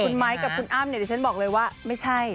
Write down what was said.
คุณไม้กับคุณอ้ำเนี่ยดิฉันบอกเลยว่าไม่ใช่